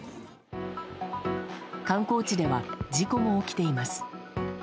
観光地では事故も起きています。